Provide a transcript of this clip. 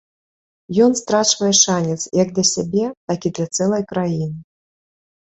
Ён страчвае шанец як для сябе, так і для цэлай краіны.